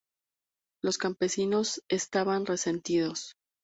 Los campesinos estaban resentidos.